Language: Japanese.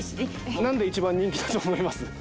なんで一番人気だと思います？